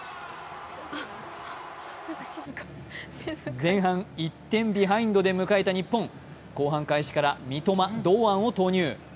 前半１点ビハインドで迎えた日本後半開始から三笘、堂安を投入。